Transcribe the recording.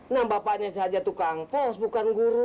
nah bapaknya saja tukang pos bukan guru